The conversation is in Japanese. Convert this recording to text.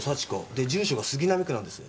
で住所が杉並区なんです。